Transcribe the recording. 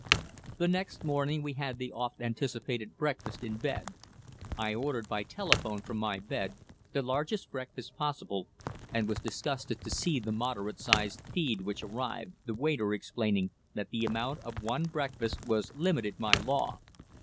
The next morning we had the oft anticipated breakfast in bed. I ordered, by telephone from my bed, the largest breakfast possible, and was disgusted to see the moderate sized feed which arrived, the waiter explaining that the amount of one breakfast was limited by law.